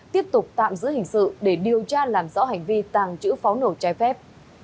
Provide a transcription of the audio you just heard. tiếp tục tạm giữ hình sự để điều tra làm rõ hành vi tàng trữ pháo nổ trái phép